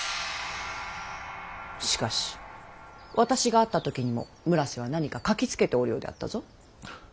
しかし私が会った時にも村瀬は何か書きつけておるようであったぞ。